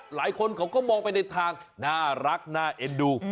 หลายคนเขาก็มองไปในทางน่ารักน่าเอ็นดู